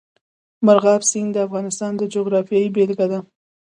مورغاب سیند د افغانستان د جغرافیې بېلګه ده.